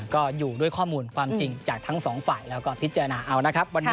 ก็อยู่ด้วยข้อมูลความจริงจากทั้งสองฝ่ายแล้วก็พิจารณาเอานะครับวันนี้